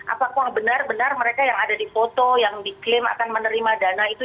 apakah benar benar mereka yang ada di foto yang diklaim akan menerima dana itu